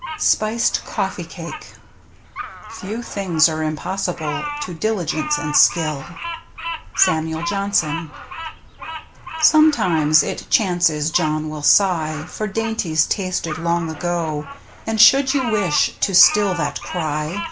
SPICED COFFEE CAKE Few things are impossible to diligence and skill. — Samuel Johnson. Sometimes it chances John will sigh For dainties tasted long ago, And should you wish to still that cry.